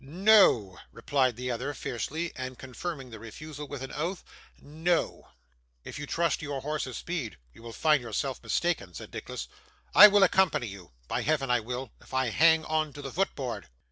'No,' replied the other fiercely, and confirming the refusal with an oath. 'No.' 'If you trust to your horse's speed, you will find yourself mistaken,' said Nicholas. 'I will accompany you. By Heaven I will, if I hang on to the foot board.